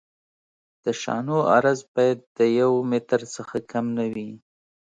د شانو عرض باید د یو متر څخه کم نه وي